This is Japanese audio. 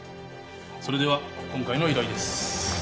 それでは今回の依頼です。